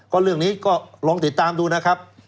ก็เรื่องนี้ก็ลองติดตามดูนะครับ